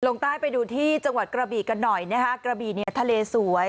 ลงใต้ไปดูที่จังหวัดกระบีกันหน่อยนะคะกระบี่เนี่ยทะเลสวย